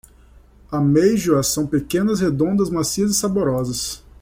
Amêijoas são pequenas, redondas, macias e saborosas.